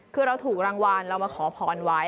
คือเราถูกรางวัลเรามาขอพรไว้